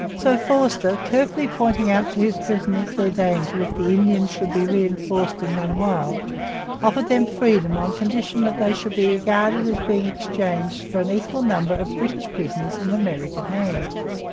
So Forster, carefully pointing out to his prisoners their danger if the Indians should be reinforced and run wild, offered them their freedom on condition that they should be regarded as being exchanged for an equal number of British prisoners in American hands.